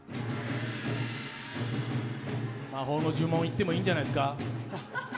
魔法の呪文言ってもいいんじゃないですか？